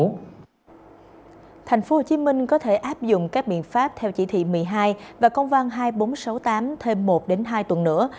tp hcm có thể áp dụng các biện pháp theo chí thị một mươi hai và công văn hai nghìn bốn trăm sáu mươi tám thêm một hai tuần nữa